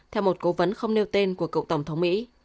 theo một cố vấn không nêu tên của cựu tổng thống mỹ